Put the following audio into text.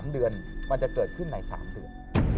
๓เดือนมันจะเกิดขึ้นใน๓เดือน